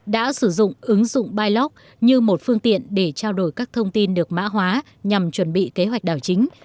đã sử dụng ứng dụng bilock như một phương tiện để trao đổi các thông tin được mã hóa nhằm chuẩn bị kế hoạch đảo chính